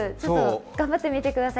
頑張って見てください。